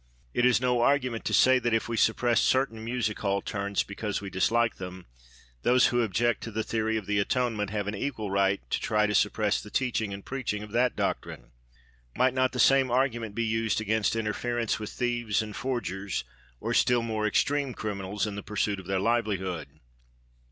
It is no argument to say that, if we suppress certain music hall turns because we dislike them, those who object to the theory of the Atonement have an equal right to try to suppress the teaching and preaching of that doctrine. Might not the same argument be used against interference with thieves and forgers or still more extreme criminals in the pursuit of their livelihood?